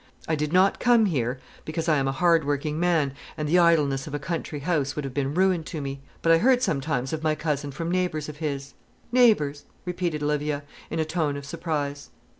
I did not come here, because I am a hard working man, and the idleness of a country house would have been ruin to me. But I heard sometimes of my cousin from neighbours of his." "Neighbours!" repeated Olivia, in a tone of surprise.